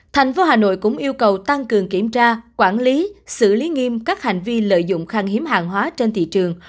thành phố hà nội cũng yêu cầu tăng cường kiểm tra quản lý xử lý nghiêm các hành vi lợi dụng khang hiếm hàng hóa trên thị trường